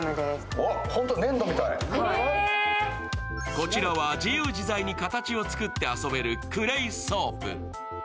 こちらは自由自在に形を作って遊べるクレイソープ。